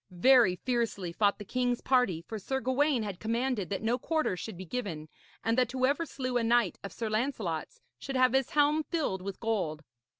Very fiercely fought the king's party, for Sir Gawaine had commanded that no quarter should be given, and that whoever slew a knight of Sir Lancelot's should have his helm filled with gold.